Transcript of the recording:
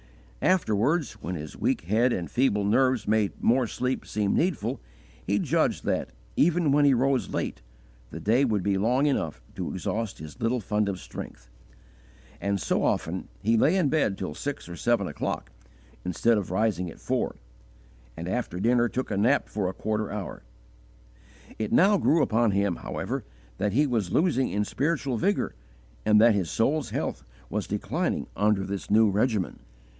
Afterwards, when his weak head and feeble nerves made more sleep seem needful, he judged that, even when he rose late, the day would be long enough to exhaust his little fund of strength; and so often he lay in bed till six or even seven o'clock, instead of rising at four; and after dinner took a nap for a quarter hour. It now grew upon him, however, that he was losing in spiritual vigour, and that his soul's health was declining under this new regimen.